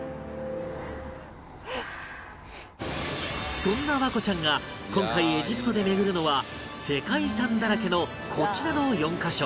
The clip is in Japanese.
そんな環子ちゃんが今回エジプトで巡るのは世界遺産だらけのこちらの４カ所